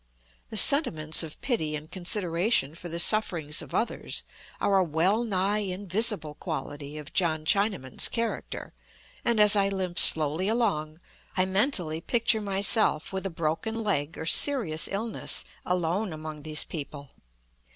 The sentiments of pity and consideration for the sufferings of others, are a well nigh invisible quality of John Chinaman's character, and as I limp slowly along, I mentally picture myself with a broken leg or serious illness, alone among these people.